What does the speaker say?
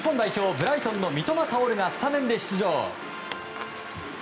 ブライトンの三笘薫がスタメンで出場。